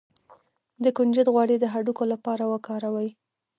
د کنجد غوړي د هډوکو لپاره وکاروئ